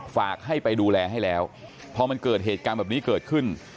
ฝากให้ไปดูแลให้แล้วพอมันเกิดเหตุการณ์แบบนี้เกิดขึ้น